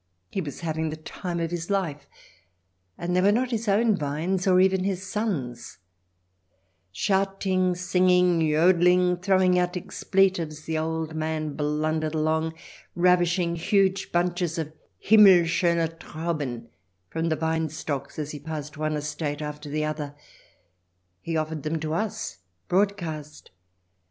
He was having the time of his life ; and they were not his own vines, or even his son's. en. XXI] "TAKE US THE LITTLE FOXES" 307 Shouting, singing, jodelling, throwing out exple tives, the old man blundered along, ravishing huge bunches of "Himmelschoene Trauben" from the vine stocks as he passed one estate after the other ; he offered them to us broadcast.